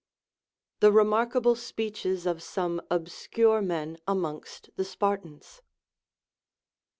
THE REMARKABLE SPEECHES OF SOME OBSCURE MEN AMONGST THE SPARTANS.